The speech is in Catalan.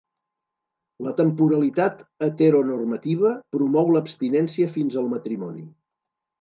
La temporalitat heteronormativa promou l'abstinència fins al matrimoni.